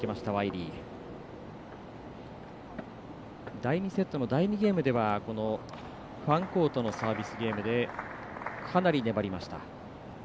第２セットの第２ゲームではファンコートのサービスゲームでかなり粘りました。